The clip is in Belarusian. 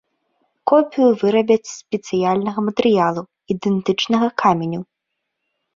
Копію вырабяць з спецыяльнага матэрыялу, ідэнтычнага каменю.